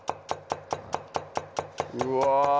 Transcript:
うわ